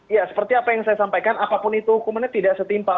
ya seperti apa yang saya sampaikan apapun itu hukumannya tidak setimpal